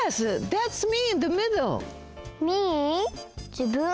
じぶん？